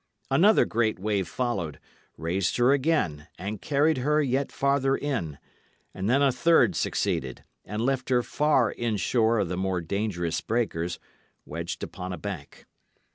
Another great wave followed, raised her again, and carried her yet farther in; and then a third succeeded, and left her far inshore of the more dangerous breakers, wedged upon a bank.